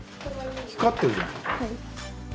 光ってるじゃん。